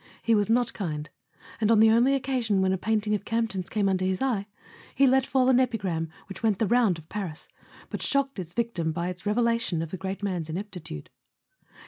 He was not kind; and on the only occasion when a painting of Camp ton's came under his eye he let fall an epigram which went the round of Paris, but shocked its victim by its revelation of the great man's ineptitude.